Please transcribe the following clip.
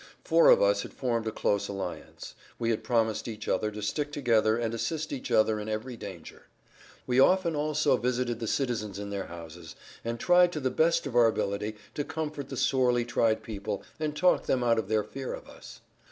Four of us had formed a close alliance; we had promised each other to stick together and assist each other in every danger. We often also visited the citizens in their houses, and tried to the best of our ability to comfort the sorely tried people and talk them out of their fear of us.